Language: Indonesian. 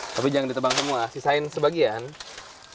tapi jangan ditebang semua sisain sebagian